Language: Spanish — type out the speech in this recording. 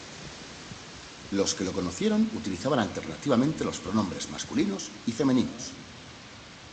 Los que lo conocieron utilizaban alternativamente los pronombres masculinos y femeninos.